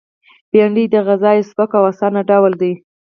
بېنډۍ د غذا یو سپک او آسانه ډول دی